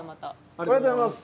ありがとうございます。